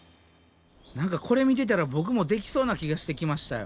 何かこれ見てたらボクもできそうな気がしてきましたよ。